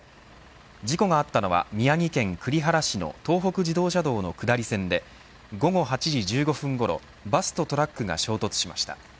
事故があったのは宮城県栗原市の東北自動車道の下り線で午後８時１５分ごろバスとトラックが衝突しました。